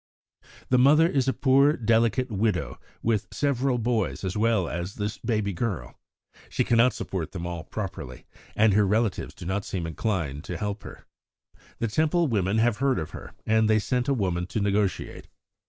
"The mother is a poor, delicate widow, with several boys as well as this baby girl. She cannot support them all properly, and her relatives do not seem inclined to help her. The Temple women have heard of her, and they sent a woman to negotiate.